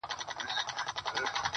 هم خوشال یې مور او پلار وه هم یې وړونه,